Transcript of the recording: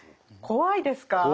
怖いです。